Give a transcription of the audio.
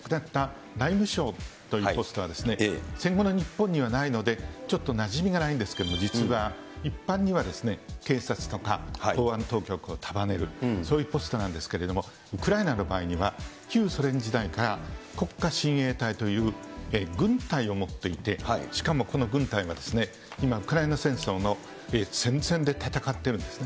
今回亡くなった内務しょうというポストは、戦後の日本にはないので、ちょっとなじみがないんですけれども、実は一般には警察とか公安当局を束ねる、そういうポストなんですけれども、ウクライナの場合には、旧ソ連時代から国家親衛隊という軍隊を持っていて、しかもこの軍隊は今、ウクライナ戦争の前線で戦ってるんですね。